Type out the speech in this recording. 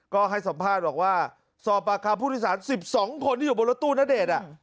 ก็ให้สัมภาษณ์บอกว่าสอบปากคำผู้โดยสาร๑๒คนที่อยู่บนรถตู้ณเดชน์